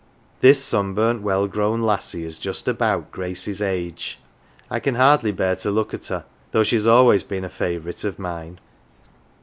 This sunburnt well grown lassie is just about Grade's age : 222 I can hardly bear to look at her, though she has always been a favourite of mine.